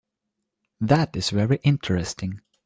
That is very interesting.